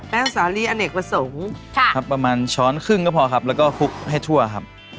สาลีอเนกประสงค์ครับประมาณช้อนครึ่งก็พอครับแล้วก็คลุกให้ทั่วครับ